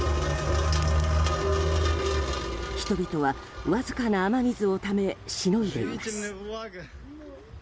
人々はわずかな雨水をためしのいでいます。